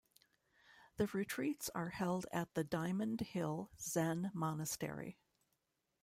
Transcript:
The retreats are held at the Diamond Hill Zen Monastery.